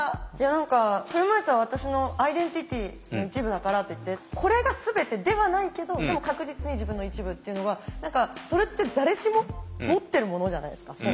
いや車いすは私のアイデンティティーの一部だからって言ってこれが全てではないけどでも確実に自分の一部っていうのがそれって誰しも持ってるものじゃないですか。